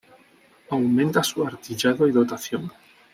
Aumenta su artillado y dotación.